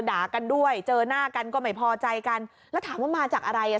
ด่ากันด้วยเจอหน้ากันก็ไม่พอใจกันแล้วถามว่ามาจากอะไรอ่ะ